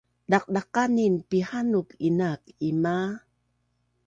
Daqdaqanin pihanuk inaak ima